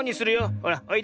ほらおいで。